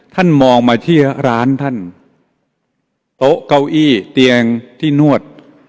ท่านมองมาที่ร้านท่านโต๊ะเก้าอี้เตียงที่นวด